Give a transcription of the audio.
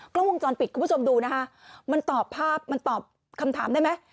กล้องวงจรปิดคุณผู้ชมดูนะคะมันตอบภาพมันตอบคำถามได้ไหม